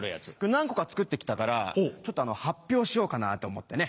何個か作って来たから発表しようかなと思ってね。